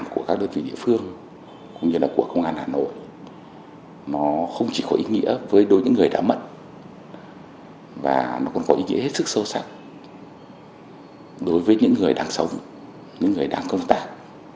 công an hà nội nó không chỉ có ý nghĩa với đối với những người đã mất và nó còn có ý nghĩa hết sức sâu sắc đối với những người đang sống những người đang công tác